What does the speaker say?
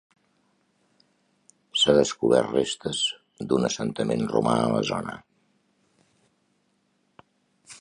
S'han descobert restes d'un assentament romà a la zona.